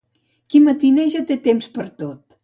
Qui matineja, té temps per tot.